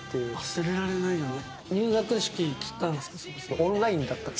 忘れられないよね。